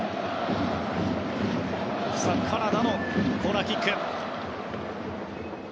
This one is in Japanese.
カナダのコーナーキック。